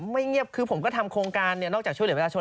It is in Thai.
ไม่เงียบคือผมก็ทำโครงการนอกจากช่วยเหลือเวลาชน